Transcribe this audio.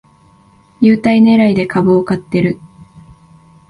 優待ねらいで株を買ってる